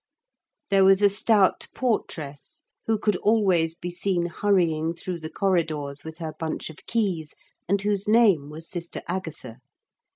There was a stout portress who could always be seen hurrying through the corridors with her bunch of keys, and whose name was Sister Agatha.